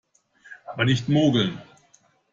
Aber nicht mogeln!